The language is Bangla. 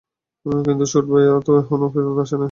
কিন্তু শুটু ভাইয়া তো এহনও ফেরত আসে নাই।